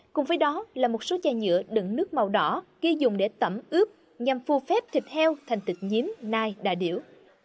cùng với đó là một số chai nhựa đựng nước màu đỏ ghi dùng để tẩm ướp nhằm phù phép thịt heo thành thịt nhiếm nai đà điểu